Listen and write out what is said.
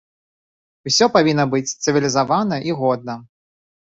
Усё павінна быць цывілізавана і годна.